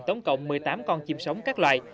tổng cộng một mươi tám con chim sống các loại